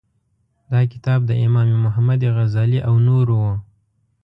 دا کتاب د امام محمد غزالي او نورو و.